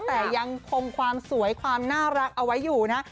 แต่ยังคงความสวยความน่ารักเอาไว้อยู่นะ